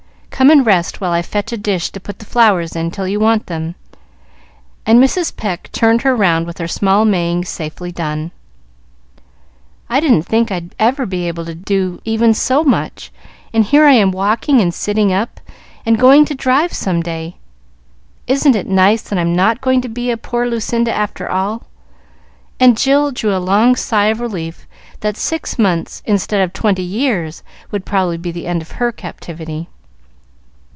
Come and rest while I fetch a dish to put the flowers in till you want them;" and Mrs. Pecq turned her round with her small Maying safely done. "I didn't think I'd ever be able to do even so much, and here I am walking and sitting up, and going to drive some day. Isn't it nice that I'm not to be a poor Lucinda after all?" and Jill drew a long sigh of relief that six months instead of twenty years would probably be the end of her captivity.